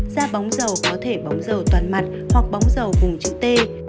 da bóng dầu có thể bóng dầu toàn mặt hoặc bóng dầu vùng chữ t